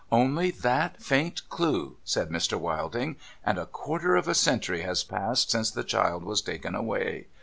' Only that faint clue !' said IMr. 'Wilding. ' And a quarter of a century has passed since the child was taken away